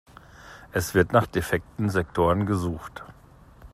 Es wird nach defekten Sektoren gesucht.